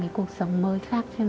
cái cuộc sống mới khác